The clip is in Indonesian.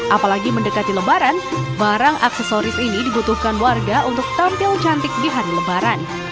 apalagi mendekati lebaran barang aksesoris ini dibutuhkan warga untuk tampil cantik di hari lebaran